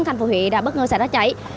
thành phố huế đã bất ngờ xảy ra cháy